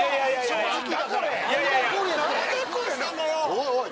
おいおい。